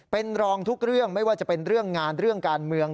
เป็นรองทุกเรื่องไม่ว่าจะเป็นเรื่องงานเรื่องการเมือง